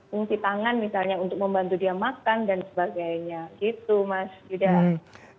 fungsi tangan misalnya untuk membantu dia makan dan sebagainya gitu mas yuda